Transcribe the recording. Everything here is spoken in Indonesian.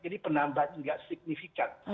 jadi penambahan tidak signifikan